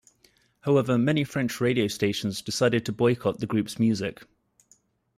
However, many French radio stations decided to boycott the group's music.